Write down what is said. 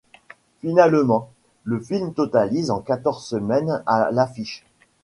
Finalement, le film totalise en quatorze semaines à l'affiche.